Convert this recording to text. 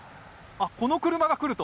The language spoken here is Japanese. この車が来ると。